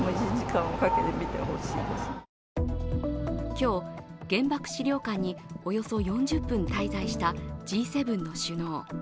今日、原爆資料館におよそ４０分滞在したＧ７の首脳。